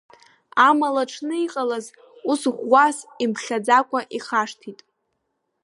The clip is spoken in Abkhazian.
Амала аҽны иҟалаз, ус ӷәӷәас имԥхьаӡакәа, ихашҭит.